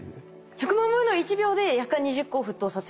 １００万分の１秒でやかん２０個を沸騰させる！？